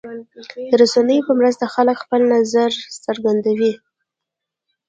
د رسنیو په مرسته خلک خپل نظر څرګندوي.